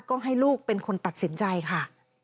ก็ให้ลูกเป็นคนตัดสินใจค่ะ